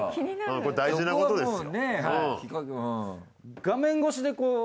これ大事なことですよ。